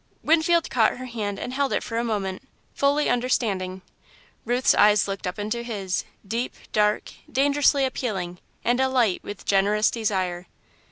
Winfield caught her hand and held it for a moment, fully understanding. Ruth's eyes looked up into his deep, dark, dangerously appealing, and alight with generous desire.